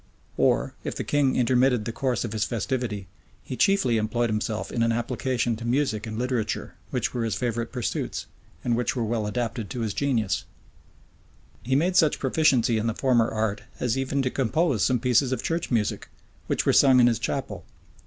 Or, if the king intermitted the course of his festivity, he chiefly employed himself in an application to music and literature, which were his favorite pursuits, and which were well adapted to his genius. * Herbert, Stowe, p. 486. Holingshed, p. 799. Lord Herbert. He had made such proficiency in the former art, as even to compose some pieces of church music, which were sung in his chapel.